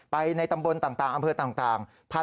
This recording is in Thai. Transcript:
ในตำบลต่างอำเภอต่าง